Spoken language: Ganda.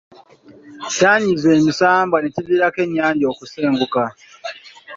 Kyanyiiza emisambwa ne kiviirako ennyanja okusenguka.